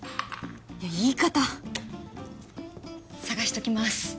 いや言い方捜しときます